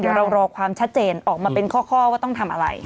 เดี๋ยวเรารอความชัดเจนออกมาเป็นข้อว่าต้องทำอะไร